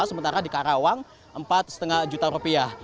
sementara di karawang empat lima juta rupiah